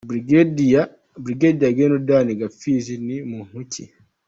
Brig Gen Dan Gapfizi ni muntu ki?.